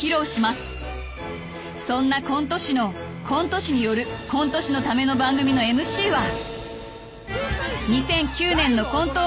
［そんなコント師のコント師によるコント師のための番組のＭＣは］